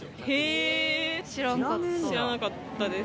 へえー、知らんかった。